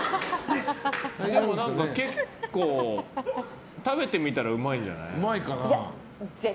結構、食べてみたらうまいんじゃない？